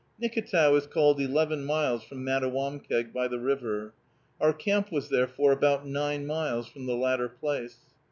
Nicketow is called eleven miles from Mattawamkeag by the river. Our camp was, therefore, about nine miles from the latter place.